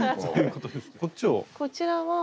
こちらは。